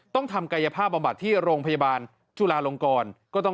ต้องทำกายภาพอบาทที่โรงพยาบาลจุฬาลงกร